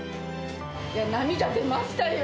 涙出ましたよ。